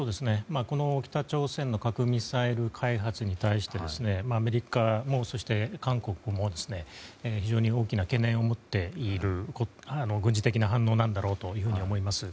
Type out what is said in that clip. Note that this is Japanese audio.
この北朝鮮の核・ミサイル開発に対してアメリカも韓国も非常に大きな懸念を持っている軍事的な反応なんだろうと思います。